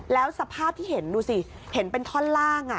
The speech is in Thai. แล้วสภาพที่เห็นดูสิเห็นเป็นท่อนล่าง